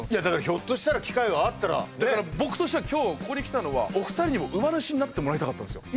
ひょっとしたら機会があったらだから僕としては今日ここに来たのはお二人にも馬主になってもらいたかったんですよ